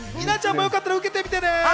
稲ちゃんもよかったら受けてみてね。